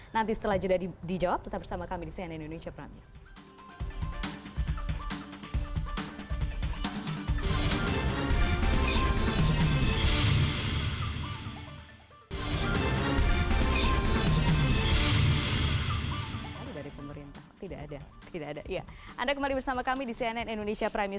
nanti setelah jeda dijawab tetap bersama kami di cnn indonesia prime news